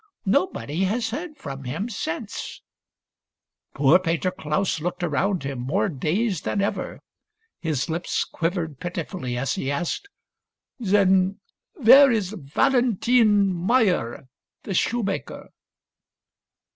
Nobody has heard from him since." Poor Peter Klaus looked around him, more dazed than ever. His lips quivered pitifully as he asked, " Then where is Valentine Meyer, the shoemaker